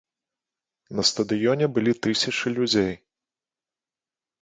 На стадыёне былі тысячы людзей.